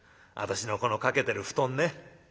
私のこのかけてる布団ね